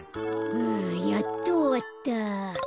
ふうやっとおわった。